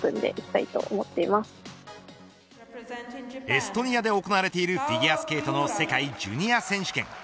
エストニアで行われているフィギュアスケートの世界ジュニア選手権。